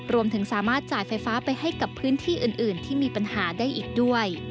รวมถึงสามารถจ่ายไฟฟ้าไปให้กับพื้นที่อื่นที่มีปัญหาได้อีกด้วย